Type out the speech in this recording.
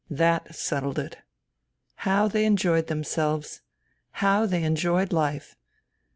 That settled it. How they enjoyed themselves ! How they enjoyed life